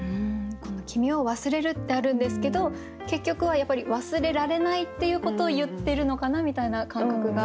「君を忘れる」ってあるんですけど結局はやっぱり忘れられないっていうことを言ってるのかなみたいな感覚がありました。